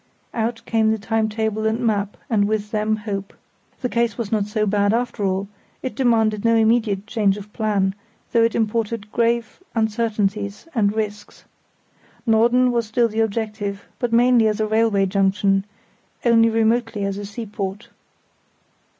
Out came the time table and map, and with them hope. The case was not so bad after all; it demanded no immediate change of plan, though it imported grave uncertainties and risks. Norden was still the objective, but mainly as a railway junction, only remotely as a seaport.